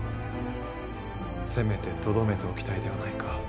せめてとどめておきたいではないか。